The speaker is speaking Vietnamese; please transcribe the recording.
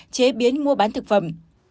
chế biến mua bán thực phẩm